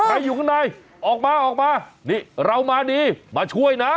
อยู่ข้างในออกมาออกมานี่เรามาดีมาช่วยนะ